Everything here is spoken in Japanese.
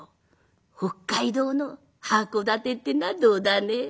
「北海道の函館ってのはどうだね？」。